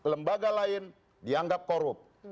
lembaga lain dianggap korup